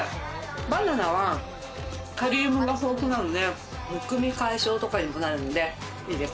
バナナはカリウムが豊富なので、むくみ解消とかにもなるのでいいです。